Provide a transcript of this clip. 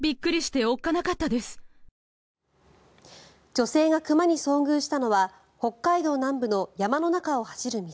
女性が熊に遭遇したのは北海道南部の山の中を走る道。